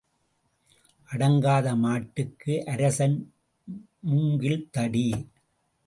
அடங்காத மாட்டுக்கு அரசன் மூங்கில் தடி.